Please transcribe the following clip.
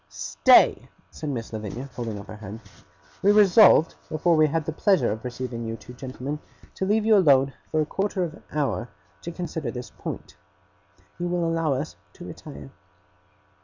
'Stay!' said Miss Lavinia, holding up her hand; 'we resolved, before we had the pleasure of receiving you two gentlemen, to leave you alone for a quarter of an hour, to consider this point. You will allow us to retire.